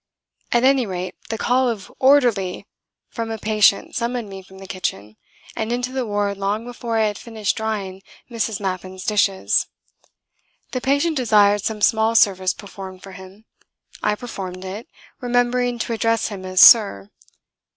At any rate the call of "Orderly!" from a patient summoned me from the kitchen and into the ward long before I had finished drying Mrs. Mappin's dishes. The patient desired some small service performed for him. I performed it remembering to address him as "Sir."